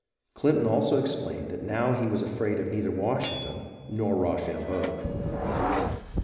Clinton also explained that now he was afraid of neither Washington nor Rochambeau.